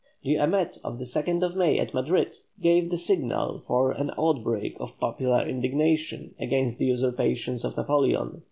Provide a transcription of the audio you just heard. The émeute of the 2nd May at Madrid, gave the signal for an outbreak of popular indignation, against the usurpations of Napoleon.